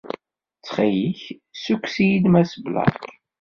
Ttxil-k, ssukk-iyi-d Mass Black.